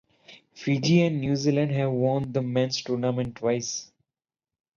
Fiji and New Zealand have won the men's tournament twice.